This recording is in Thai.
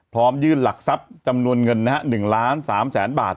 พร้อมยื่นหลักทรัพย์จำนวนเงิน๑ล้าน๓แสนบาท